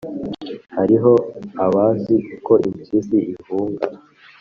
hariho abazi uko impyisi ihunga